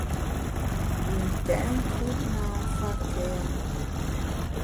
Yi ntèt nkùt na mfa kène.